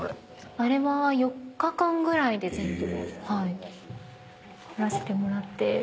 あれは４日間ぐらいで撮らせてもらって。